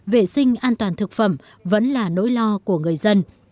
vệ sinh an toàn thực phẩm vẫn là nỗi lo của người dân